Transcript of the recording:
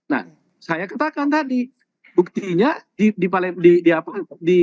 nah saya katakan tadi buktinya di apa